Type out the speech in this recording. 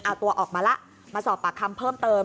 เอาตัวออกมาแล้วมาสอบปากคำเพิ่มเติม